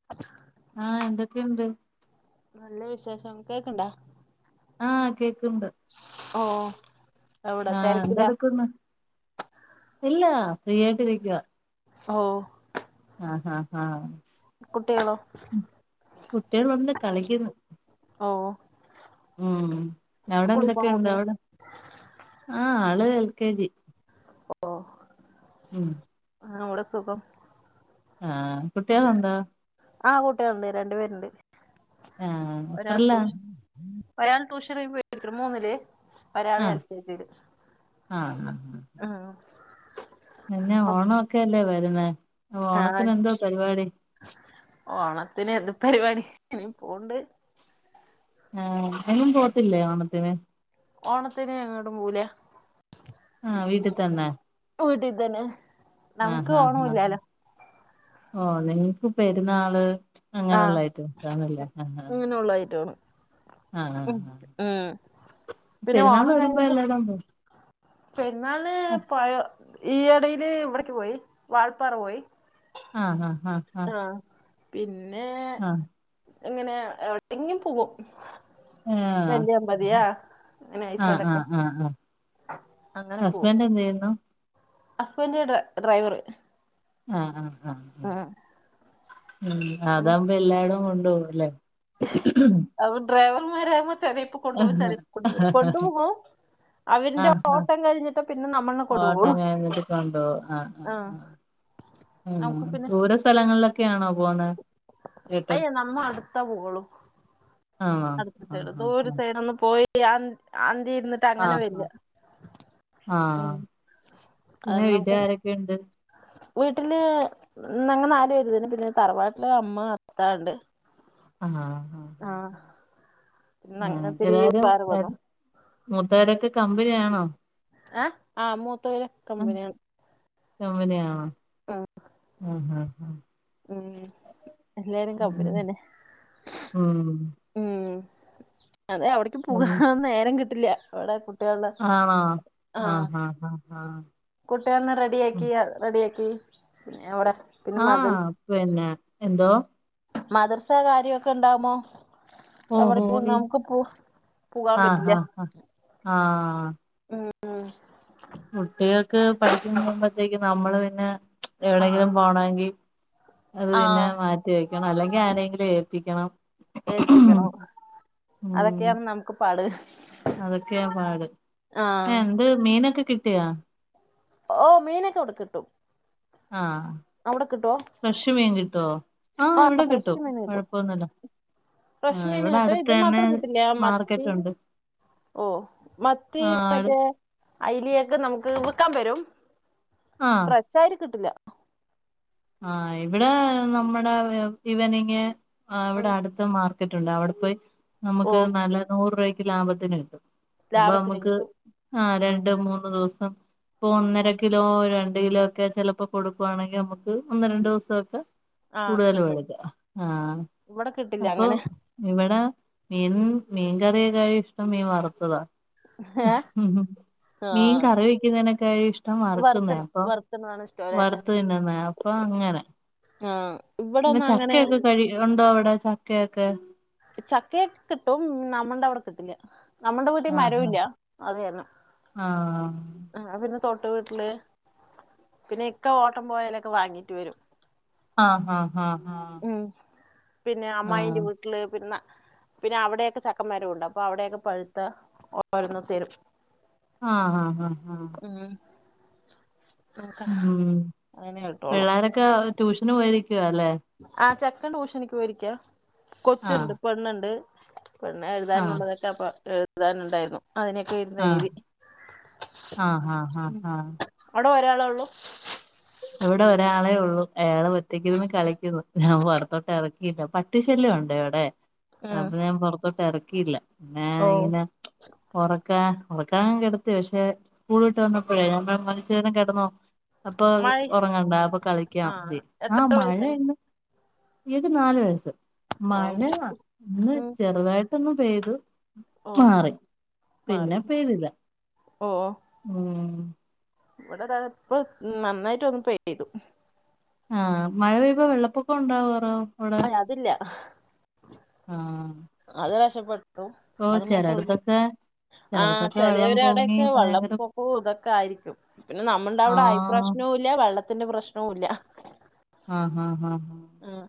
[inaudible] ആഗ് എന്തൊക്കെയുണ്ട് നല്ല വിശേഷം കേക്കണ്ടാ ആഹ് കേക്ണ്ട് ഓ എവിടെ ആഹ തെരക്കിലാ ന്തെടുക്ന്ന്? ഇല്ല ഫ്രീ ആയിട്ടിരിക്കുവാ ഓ ആഹ് ആഹ് ആഹ് കുട്ടികളോ കുട്ടികൾ ഉണ്ട് കളിക്കുന്ന് ഓ ഉം അവിടെ സ്കൂളിൽ പോണ ന്തക്കെണ്ട് കുട്ടികള് അവിടെ ആഹ് ആള് എൽ കെ ജി ഓ ഉം ആഹ് അവിടെ സുഖം ആഹ് കുട്ടികൾ ഉണ്ടോ ആഹ് കൂട്ടികള്ണ്ട് രണ്ടു പേരുണ്ട് ആഹ് ഒരാൾ എത്രയിലാ ടൂഷൻ ഒരാൾ ട്യൂഷൻ കഴിയുമ്പോ [unintelligible] മൂന്നില് ഒരാളെ ആഹ് [unintelligible] ആഹ് ആ പിന്നാ ഓണംഒക്കെല്ലേ വരുന്നേ ആ ഓണത്തിന് എന്തോ പരിപാടി ഓണത്തിന് ന്ത് പരിപാടി ഉം പോണ്ട് ആഹ് എങ്ങും പോകത്തില്ലേ ഓണത്തിന് ഓണത്തിന് ങ്ങോട്ടും പോവൂല ആഹ വീട്ടിതന്നെ വീട്ടി തന്നെ നമുക്ക് ആഹ് ആഹ് ഓണല്ലാലോ ഓ നിങ്ങക്ക് പെരുന്നാള് ആഹ് അങ്ങനെയുള്ള ഐറ്റംസ് ആണല്ലേ ആഹ് ആഹ് ഇങ്ങനെള്ളായിറ്റാണ് ആഹ് ഉ ആഹ് ഉം പിന്നെ പെരുന്നാൾ ഓണം വരുമ്പോ കഴിഞ്ഞിട്ട് എല്ലായിടം പോവും പെരുന്നാളിന് പഴ ഈ ഇടയില് ഇവിടക്ക് പോയി വാഴപ്പാറ പോയി ആഹ് ഹഹ് ആഹ് ആഹ് പിന്നെ ആഹ് ഇങ്ങനെ എവിടെങ്കും പോവും ആഹ് ആഹ് നെല്ല്യാമ്പതിയാ ങ്ങനെ ആഹ് ആഹ് അയച്ചടക്കാൻ ആഹ് ആഹ് ഹസ്ബൻഡ് എന്തെയിന്നു അസ്ബന്റ് ഇവിടെ ഡ്രൈവറ് ആഹ ആഹ് ആഹ് ഉ അതാകുമ്പോ എല്ലാടും കൊണ്ടോവും ല്ലേ ആ ഡ്രൈവർമാരാകുമ്പോ ചെലേപ്പൊ കൊണ്ടു പോകും ആഹ് ചെലര് കൊണ്ടു പോകൂല കൊണ്ടു പോകും അവന്റെ ആഹ് ഓട്ടം കഴിഞ്ഞിട്ട് പിന്നെ നമ്മളെ ഓട്ടം കൊണ്ടുപോകുള്ളൂ കഴിഞ്ഞിട്ട് കൊണ്ടോവും ആഹ് ആഹ് ആഹ് ആഹ് ദൂര സ്ഥലങ്ങളിലൊക്കൊ ആണോ? അയ്യേ നമ്മ അട്ത്താ പോകളൂ ആണോ അട്ത്ത്ത്തെള്ളൂ ആഹ് ദൂര ആഹ് ആഹ് സൈഡോന്നും പോയി അൻ അന്തി ഇര് അങ്ങനെ ആഹ് വരിക ആഹ് മ് ആഹ് അത് പിന്നെ വീട്ടിൽ നമക്ക് ആരൊക്കെയുണ്ട് വീട്ട്ല് ഞങ്ങ നാല് പേര് തന്നെ. പിന്നെ തറവാട്ടില് അമ്മ, അത്ത ണ്ട് ആഹ് ആഹ് ആഹ് ആഹ് പിന്നങ്ങത്തിരി എല്ലാരും വേറെ പോന്നു. മൂത്തവരൊക്കെ കമ്പനിയാണോ? ഏ ആഹ് മൂത്തവര് കമ്പന്യാണ്. [unintelligible] ആഹ് ഹ് ഹാ ഹാ മ് എല്ലാരും കമ്പനി തന്നെ മ് മ് അതെ അവ്ട്ക്കും ഉം പൂകാൻ നേരം കിട്ടില്ല അവടെ കു ആണോ ആഹ് ആഹ് ആഹ് ആഹ് കുട്ടികന്ന് റെഡി ഉം ആക്കി റെഡിയാക്കി പിന്നെ വടെ ആഹ് പിന്നെ. എന്തോ? മദ്രസ കാര്യോക്കെ ണ്ടാവുമോ? ഓഹോ എവട്ക്ക് ഈ നമുക്ക് പൂ പൂവാൻ ആഹ് പറ്റില്ല ആഹ് ആഹ് ആഹ് മ് മ് കുട്ട്യക്ക് പഠിക്കുക്കുമ്പത്തേക്കും നമ്മള് പിന്നെ ആഹ് എവടേങ്കിലും പോണങ്കി അത് പിന്നെ ആഹ് മാ റ്റി വെക്കണം അല്ലെങ്കി ആരേങ്കിലും ഏൽപ്പിക്കണം. ഏൽപ്പിക്കണോ അതൊക്കേണ് നമുക്ക് പാട്. അതൊക്കെ പാട്. എ ആഹ് എന്ത് മീനൊക്കെ കിട്ട്യോ? ഓ മീനൊക്കെ ഇവടെ കിട്ടും. ആഹ് അവിടെ കിട്ടുവോ ഫ്രഷ് മീൻ കിട്ടോ? ആഹ് ആ ഇവിടെ കിട്ടും ഫ്രഷ് മീൻ കൊഴപ്പൊന്നുല്ല. ഫ്രഷ് ആഹ് മീൻ ഇവടെ കിട്ടും അട്ത്ത് ഇത് തന്നെ മാത്രം കിട്ടില്ല മത്തി മാർക്കറ്റുണ്ട്. ഓ മത്തി മറ്റേ ഐലെ ഒക്കെ നമ്മക്ക് വിക്കാൻ വെരും. ആഹ് ഫ്രഷായിറ്റ് കിട്ടില്ല ആഹ് ഇവടെ നമ്മടെ ഇവനിങ് ഇവടെ അട്ത്ത് മാർ റ്റ്ണ്ട് അവടെ പോയി ഓ നമ്മക്ക് നല്ല നൂറ് രൂപക്ക് ലാഭത്തിന് കിട്ടും. അപ്പൊ ലാഭത്തിന് നമ്മക്ക് കിട്ടും ആഹ് ആ രണ്ട്, മൂന്ന് ദിവസം. ഇപ്പൊ ആ ഒന്നര കിലോ രണ്ട് കിലോ ഒക്കെ ചെലപ്പോ കൊടുക്കുവാണെങ്കിൽ നമ്മക്ക് ഒന്ന്, രണ്ട് ദിവസൊക്കെ ആ കൂടുതല് കിട്ടും വേടിക്കാ ആഹ് ഇവിടെ കിട്ടില്ല അപ്പൊ അങ്ങനെ ഇവടെ മീൻ മീൻകറിയെക്കാ ഇഷ്ടം മീം വർത്തതാ ഏ? ആ മീൻ കറി വെക്കുന്നതനെക്കാ ഇഷ് ട്ടം വറുത്ത് വർക്കുന്നേ അപ്പൊ വറുത്തതാണ് ഇഷ്ടം വർത്ത് തിന്നുന്നേ അപ്പൊ അങ്ങനെ. ആ ഇവിടെ പിന്നെ ഒന്നും അങ്ങനെ ചക്കയൊക്കെ കഴി ഉണ്ടോ അവിടെ ചക്കയൊക്കെ? ചക്കയൊക്കെ കിട്ടും. നമ്മന്റവടെ കിട്ടില്ല നമ്മടെ വീട്ടിൽ ആഹ് മരോല്ല്യ അത് കാരണം. ആഹ് ആ പിന്നെ തൊട്ട വീട്ടില് പിന്നെ ഇക്ക ഓട്ടം പോയാലൊക്കെ വാങ്ങിട്ട് വരും ആഹ് ആഹ് ആഹ് ആ ഉം. പിന്നെ അമ്മായിന്റെ വീട്ടില് പിര്ന്ന പിന്നെ അവിടെക്കെ ചക്കന് മരമുണ്ട് അപ്പൊ അവിടെയൊക്കെ പഴുത്ത ഓന്ന് തരും ആഹ് ആഹ് ആഹ് ആഹ് ഉ അങ്ങനെ കിട്ടോളൂ ക്ക ട്യൂഷനും പൊയിരിക്കുവ അല്ലെ ആഹ് ചെക്കൻ ടൂശ നിക് പോയിരിക്കാ ആഹ് കൊച്ചുണ്ട് പെണ്ണുണ്ട് പെണ്ണ ആഹ് എഴുതാനുള്ളതൊക്കെ അപ്പ എഴുതാനുണ്ടായിരുന്നു അതിനൊക്കെ ഇരുന്ന ആഹ് എഴുതി. ആഹ് ആഹ് ആഹ് ഉം ആഹ് അവിടെ ഒരാളേ ഉള്ളു ഇവിടെ ഒരാളെ ഉള്ളു അയാളെ ഒറ്റയ്ക്കിരുന്ന് കളിക്കുന്നു. ഞാൻ പുറത്തോട്ട് ഇറക്കില്ല ട്ടിശല്യം ഉണ്ട് അവിടെ ഉം അപ്പൊ ഞാൻ പൊറത്തോട്ട് എറക്കിയില്ല ഏ ഓ ഇങ്ങന ഒറക്കാ ഒറക്കാൻ കെട്ത്തി പക്ഷെ സ്കൂളിട്ട് വന്നപ്പോഴേ ഞ [unintelligible] ച്ചേരം കെടന്നോ അപ്പൊ മഴ ഒറങ്ങണ്ട ആ അപ്പൊ ആ കളിക്കാം ആ എത്ര വയസായി മഴയന്ന് ഏത് നാലു വയസ്സ് ഓ മഴ ഇന്ന് ഉം ചെറുതായിട്ടൊന്നു പെയ്തു ഓ മാറി പിന്നെ മാറി പേരില ഉ ഇവടെ ഇപ്പ നന്നായിട്ട് വന്ന് പ ചെയ്തു ആഹ് മഴ പെയ്യ്പോ വെള്ളപ്പൊക്കം ഉണ്ടാവറോ അ അതില്ല ആഹ് അത് രക്ഷപ്പെട്ടു ഓ അത് ചെല മാത്രമല്ല ടത്തൊക്കെ ആ ചിലവര അവിടെയൊക്കെ ഭയങ്കര വെള്ളപ്പൊക്കവും ഇതൊക്കെ ആയിരിക്കും പിന്നെ നമ്മുടെ അവിടെ ആഹ് ഐപ്രശ്നവും ഇല്ല വെള്ളത്തിന്റെ പ്രശ്നവും ഇല്ല ആഹ് ഹഹ് ആഹ് ഉം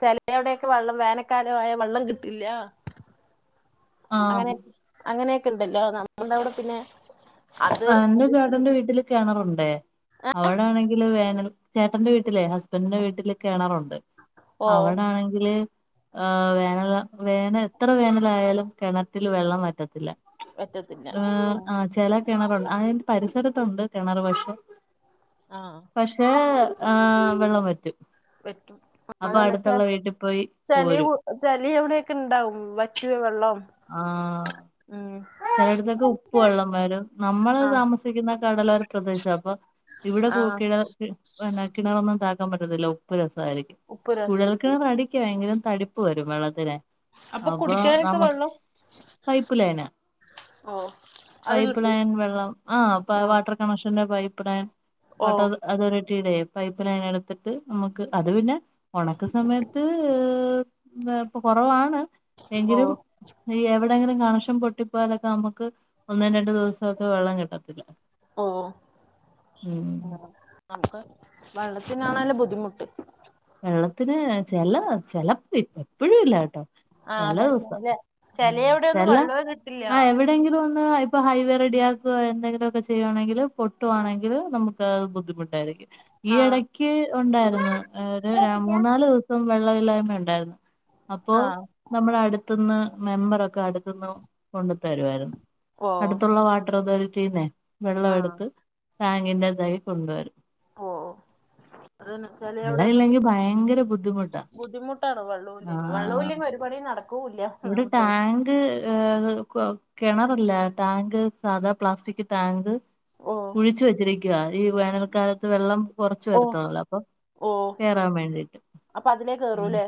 ചിലവിടെയൊക്കെ വെള്ളം വേനക്കാല ആയ വെള്ളം കിട്ടില്ല അങ്ങനെ ആഹ് അങ്ങനെയൊക്കെ ഇണ്ടല്ലോ നമ്മളുടെ അവിടെ പിന്നെ അത് ആ എന്റെ ചേട്ടന്റെ പ്രതീക്ഷിച്ചിട്ട് വീട്ടില് കെണറുണ്ടേ അവിടൊണെങ്കില് വേനൽ ചേട്ടന്റെ വീട്ടിലെ ഹസ്ബ പ്പന്റെ വീട്ടില് കിണറുണ്ട് ഓ അവടാണെങ്കില് ആഹ് വേനല വേന എത്ര വേനലായാലും കിണറ്റ് ല് വെള്ളം വറ്റത്തില്ല ഏ പറ്റത്തില്ല ഉം, ആ ചില കിണറണ്ട് ആതിന്റെ പരിസരത്തുണ്ട് കിണർ പശെ ആഹ് പക്ഷേ ആ വെള്ളം വറ്റും പറ്റും അപ്പൊ അടുത്തുള്ള വീട്ടിൽ പോയി പോരും ചലി എവിടെയൊക്കെ ഇണ്ടാവും വറ്റേ വെള്ളം ആ ഉം ചിലയിടത്തൊക്കെ ഉപ്പ് വെള്ളം വരും നമ്മള് ആ താമസിക്കുന്ന കടലോര പ്രദേശ അപ്പൊ ഇവിടെ ആ കൂട്ടി പിന്നെ കിണറൊന്നും താക്കാൻ പറ്റത്തില്ല ഉപ്പ് രസായിയിരിക്കും ഉപ്പ് കുഴൽ രസം കിണർടി ക്ക് ഭയങ്കരം തടിപ്പ് വരും വെള്ളത്തിനേ അപ്പൊ കുടിക്കാനൊക്കെ നമു, വെള്ളം പൈപ്പ് ലൈനാ ഓഹ് പൈപ്പ് ലൈൻ വെള്ളം ആ വാട്ടർ കണക്ഷന്റെ പൈപ്പ് ലൈൻ ഓ വട്ടർ അതോറിറ്റിയുടെ പൈപ്പ് ലൈൻ എടുത്തിട്ട് നമുക്ക് അത് പിന്നെ ഉണക്ക സമയത്ത് കൊറവാണ് ഓ എങ്കിലും ഈ എവിടെങ്കിലും കണഷം പൊട്ടി പ്പേലെക്കമ്മക്ക് ഒന്നും രണ്ടു ദിവസം ഒക്കെ വെള്ളം കിട്ടത്തില്ല ഓ ഉം നമുക്ക് വെള്ളത്തിനാണല്ല ബുദ്ധിമുട്ട് വെള്ളത്തിന് ചില ചെലപ്പോ എപ്പഴും ഇല്ലട്ടോ ആഹ് ചെല അതന്നെ ദിവസം അല്ലെ ഉം ചെലവിടെയൊന്നും ചെലേ വെള്ളമേ കിട്ടില്ല ആ എവിടെയെങ്കിലും ഒന്ന് ഇപ്പോ ഹൈവേ റെഡിയക്കുവാ എന്തെങ്കിലോക്കെ ചെയ്യുവാണെങ്കിൽ ആഹ് പൊട്ടുവാണെങ്കിൽ നമുക്ക് ഏഹ് ബുദ്ധിമുട്ടായിരിക്കും ഈ എടയ്ക്ക് ഒണ്ടായിരുന്നു ഒരു മൂന്നാല് നാല് ദോസം വെള്ളമില്ലായ്മ ഉണ്ടായിരുന്നു അപ്പോ ആഹ് നമ്മുടെ അടുത്തുന്ന് മെമ്പറൊക്കെ അടുത്ത്ന് കൊണ്ടത്തരുവായിരുന്നു. ഓ അടുത്തുള്ള വാട്ടർ അതോറിറ്റീനെ വെള്ളം ആഹ് എടുത്ത് ടാങ്കിന്റെതായി കൊണ്ട് വരും ഓഹ് ഓഹ് അതനെ. വെള്ളം ഇല്ലെങ്കിൽ ഭയങ്കര ബുദ്ധിമുട്ട് ബുദ്ധിമുട്ടാണ് വെള്ളൂല്ലങ്കിൽ വള്ളോല്ലെങ്കിൽ ഒരു പണിം നടക് ഇവിടെ ടാങ്ക് ഏഹ് കൊ കെണാറില്ല ടാങ്ക് സാധാ പ്ലാസ്റ്റിക് ടാങ്ക് ഓ കുഴിച്ച് വെച്ചിരിക്കുവ ഈ വേനൽക്കാലത്ത് വെള്ളം കൊറച്ചു ഓ വരുത്തോള്ളു അപ്പൊ ഓ കേറാൻ വേണ്ടിട്ട് അപ്പൊ അതിലേ ഉം കേറൂല്ലേ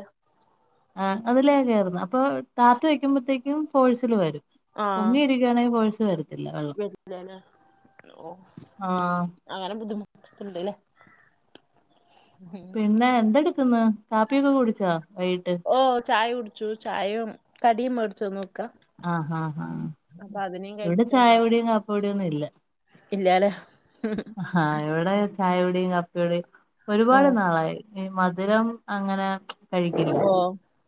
ആ അത് ലേ കേർന്ന് അപ്പൊ താത്തി വെയ്ക്കുമ്പോഴത്തേക്കും ഫോഴ്സിൽ വരും പൊങ്ങിരിക്ക [unintelligible] വെറുത്തിയാല ആ അങ്ങനെ ബുദ്ധിമുട്ട്ക്ക്‌ണ്ട്ല്ലേ പിന്നെ എഎന്തെടുക്കുന്നു കാപ്പിയൊക്കെ കുടിച്ചോ വൈകിട്ട് ഓ ചായ കുടിച്ചു ചായയും കടിയും മേടിച്ചാന്നു ഇക്ക ആഹ് ആഹ് ആഹ്. അപ്പൊ അത് നീ കഴിച്ചിട്ട് ഓടിയൊന്നില്ല ഇല്ല്യല്ലോ ആഹ ഇവിടെ ചായുടെയും കാപ്പിയുടെയും ഓ ഒരുപാട് നാളായി ഈ മധുരം അങ്ങനെ കഴിക്കില്ല ഓ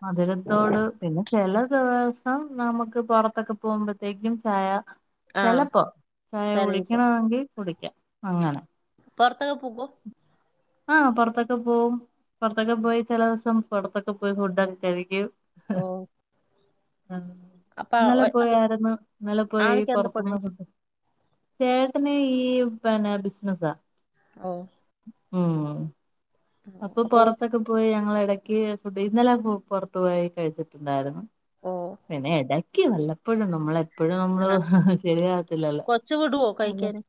മധുരത്തോട് പിന്നെ ചെല ദെവസം നമുക്ക് പൊറത്തൊക്കെ പോമ്പാത്തേക്കും ചായ ആ ചെലപ്പോ ചായ ഇപ്പൊ കുടിക്കണമെങ്കിൽ കുടിക്കാം അങ്ങനെ പൊർത്തൊക്കെ പോകു ആഹ പുൊറത്തൊക്കെ പോകും പൊറത്തൊക്കെ പോവും പൊർതോക്കെപോയി ചെല ദിവസം പുറത്തൊക്കെ പോയി ഫുഡ്ക്കേ കഴിക്കും. ഓ ആഹ്. അപ്പൊ ഇന്നലെ ഒ- പോയായിരുന്ന് ഇന്നലെ പോയി ആളിക്ക് എന്ത് പണി പുറത്ന്ന് ചേട്ടന് ഈ പിന്നെ ബിസിനസാ ഓഹ് ഉം അപ്പൊ പുറത്തൊക്കെ പോയി ഞങ്ങളെടക്ക് ഫുഡ് ഇന്നലെ പൊറത്തു പോയി കഴിച്ചിട്ടുണ്ടായിരുന്നു. ഓ പിന്നെ എടക്ക് വല്ലപ്പോഴും നമ്മളെ ഇപ്പഴും നമ്മള് ആ ശരിയാകത്തില്ലല്ലോ കൊച്ചു വിടുവോ അതെ കഴിക്കാന്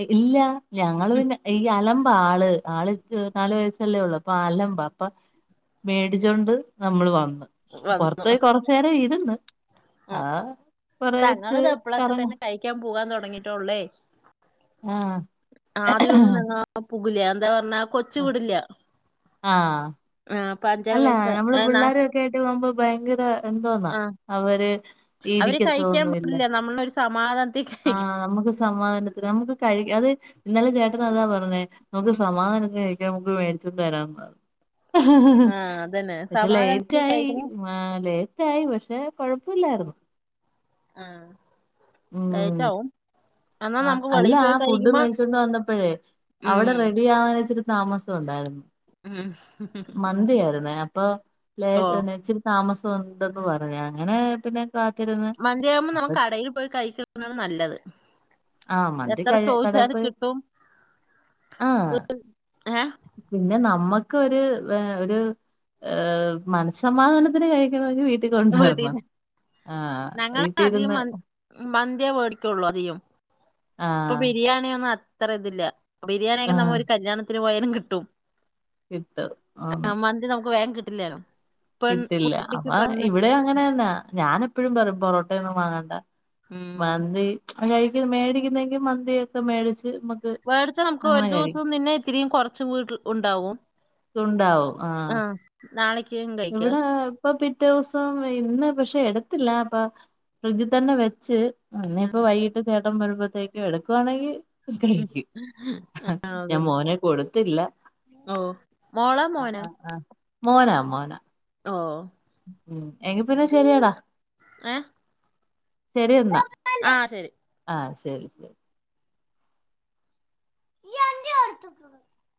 എ ഇല്ല ഞങ്ങള് ഉം, പിന്നെ ഈ അലമ്പാ ആള് ആള്ക്ക് നാലു വയസ്സല്ലേ ഉള്ളു അപ്പൊ അലമ്പാ അപ്പ മേടിച്ചോണ്ട് നമ്മള് വന്ന് വന്നു പൊറത്തോയി കൊറച്ചു നേരം ഇരുന്ന്. ആ കൊറച്ച് തങ്ങൾത് ഇപ്പളൊക്കെ കറങ്ങ തന്നെ കഴിക്കാൻ പോകാൻ തൊടങ്ങിട്ടോള്ളേ. ആ ആഹ് പുക് ല്യാ എന്താ പറഞ്ഞാ കൊച്ച് വിടില്ല ആഹ് ആഹ് അല്ല നമ്മള് പിള്ളാരൊക്കെ ആയിട്ട് പോവുമ്പോ ഭയങ്കര എന്തോന്നാ ആ അവര് അവര് കഴിക്കാൻ ഇരിക്കത്തോന്നില്ല പോകില്ല നമ്മളൊരു സമാധാനത്തിൽ കഴിക്കാം ആഹ അമുക്ക് സമാധാനത്തിന് നമുക്ക് കഴി അത് ഇന്നലെ ചേട്ടനതാ പറഞ്ഞെ നമുക്ക് ഉം. സമാധാനത്തിന് കഴി ങ്കി നമുക്ക് മേടിച്ചോണ്ട് തരാൻ പറ ആഹ അതന്നെ സമാധാനതി ന് കഴിക്കണ ആ ലേറ്റ ആയി പക്ഷെ കൊഴപ്പല്ലായിരുന്നു. ആഹ് ലേറ്റ് ഉം ആവും എന്നാ ആ നമുക്ക് അല്ല വെളിയിൽ ആ പോയി ഫുഡ് കഴിക്കുമ്പോ മേടിച്ചൊണ്ട് വന്നപ്പോഴേ ഉം അവിടെ റെഡി ആവാൻത് താമസം ഉണ്ടായിരുന്നു ഉം ഹു ഹും മന്തിയായിര്ന്നേ അപ്പൊ ലെ ഇച്ചിരി താമസം ഉണ്ടെന്ന് പറഞ്ഞ് അങ്ങെനെ പിന്നെ കാത്തിരുന്നു മന്തിയാകുമ്പം നമുക്ക് കടെയിൽ പോയി കഴിച്ചോക്ക്ണാണ് നല്ലെത് ആ മന്തി എത്ര കഴി കടയിൽ ചോദിച്ചാാലും പോയി കിട്ടും ആ ഹെ പിന്നെ നമ്മക്കാെര് വേ ഒരു ഏഹ് മനസ്സമാധാനത്തിന് കഴിക്കണമെൻങ്കി വീ വീട്ടിൽ വീട്ടിൽ കൊണ്ടുവരണം ആഹ് വീട്ടിൽരുന്ന് മന്ത്യാ വേടിക്കാെള്ളു അതികും ആ പ്പൊ ബിരിയാണിയൊന്നും അത്ര ത്‌ല്ലാ ആ ബിര്യാണിയൊക്കെ നമ്മ ഒര് കല്യാണത്തിന് പോയാലും കിട്ടും കിട്ടും ആന്ന്. ആഹ് മന്തി നമുക്ക് വേഗം കിട്ടില്ലാലോ [unintelligible] കിട്ടില്ല ഇവിടേം അങ്ങനെയെന്നാ ഞാനെപ്പെഴും പറയും പൊറോട്ടൊയൊന്നും വാങ്ങണ്ട ഉം മന്തി അതിനു മേടിക്കുന്നെങ്കിൽ മന്തിയൊക്കെ മേടിച്ച് മേടിക്കണം നമുക്ക് ഒരു അങ്ങനെ ദിവസം കഴിക്കും നിന്നെ ഇത്തിരിയും കുറച്ച് വീട്ടിൽ ഉണ്ടാവും തുണ്ടാവും ആഹ് നാളേക്ക് ഉണ്ട് എവിടെ ഇപ്പൊ പിറ്റേ ദിവസം ഇന്ന് പക്ഷെ എടുത്തില്ല അപ്പൊ ഫ്രിഡ്ജ് തന്നെ വെച്ച് ഇനിയിപ്പോ വൈകിട്ട് ചേട്ടൻ വരുമ്പോത്തേക്കും എടുക്കുവാണെങ്കിൽ ഉം. [unintelligible] ഹാ ആ, ഞാൻ അതന്നെ മോനെ കൊട്ത്തില്ലാ ഓ മോള മോന മോനാണ് ഓഹ് ഉം എങ്കി പിന്നെ ശെരിയാടാ ഏ ശെരി എന്നാ ആ ശരി ആഹ് ശെരി ശെരി [unintelligible]